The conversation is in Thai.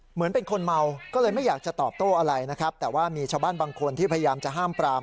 เหมือนเป็นคนเมาก็เลยไม่อยากจะตอบโต้อะไรนะครับแต่ว่ามีชาวบ้านบางคนที่พยายามจะห้ามปราม